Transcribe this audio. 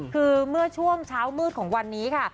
คือเมื่อช่วงเช้ามืดของวันนี้ค่ะ